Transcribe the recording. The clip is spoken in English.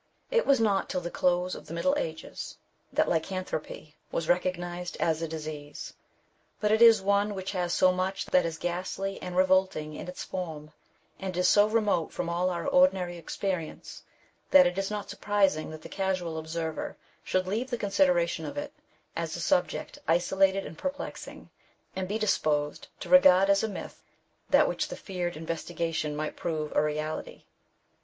It was not till the close of the Middle Ages that \\ NATURAL CAUSES OF LYCANTHROPY. 131 lycanthropy was recognized as a disease ; but it is one which has so much that is ghastly and revolting in its form, and it is so remote from all our ordinary experi ence, that it is not surprising that the casual observer should leave the consideration of it, as a subject isolated and perplexing, and be disposed to regard as a myth that which the feared investigation might prove a reality.